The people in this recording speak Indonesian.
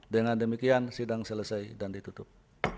dengan demikian sidang selesai dan ditutup